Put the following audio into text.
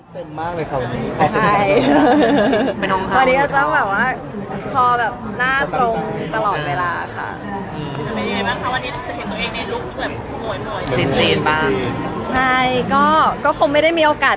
ติดเต็มมากเลยครับ